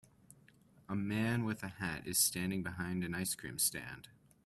A man with a hat is standing behind an ice cream stand.